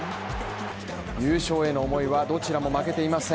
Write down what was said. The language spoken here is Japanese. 優勝への思いはどちらも負けていません。